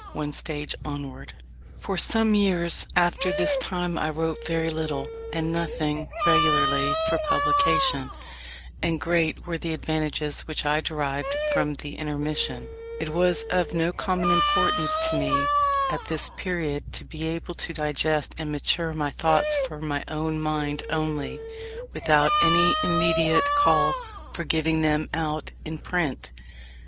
ONE STAGE ONWARD For some years after this time I wrote very little, and nothing regularly, for publication: and great were the advantages which I derived from the intermission. It was of no common importance to me, at this period, to be able to digest and mature my thoughts for my own mind only, without any immediate call for giving them out in print.